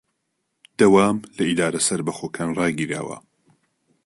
دەوام لە ئیدارە سەربەخۆکان ڕاگیراوە